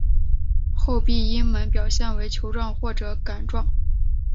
厚壁菌门表现为球状或者杆状。